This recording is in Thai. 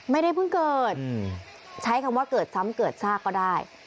ไม่ได้เพิ่งเกิดใช้คำว่าเกิดซ้ำเกิดซากก็ได้